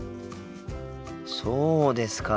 そうですか。